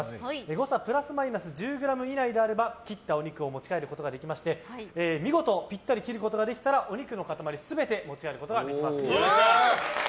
誤差プラスマイナス１０ｇ以内であれば切ったお肉を持ち帰ることができまして見事ぴったり切ることができればお肉の塊全てお持ち帰りいただけます。